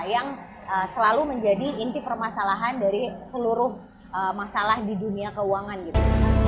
yang selalu menjadi inti permasalahan dari seluruh masalah di dunia keuangan gitu